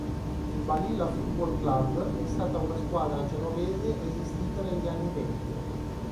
Il Balilla Football Club è stata una squadra genovese esistita negli anni venti.